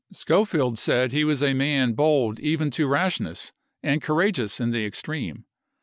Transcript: Schofield said he was a man bold even to rashness and courageous in the extreme.